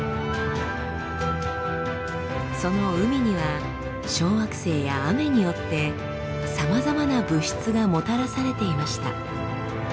その海には小惑星や雨によってさまざまな物質がもたらされていました。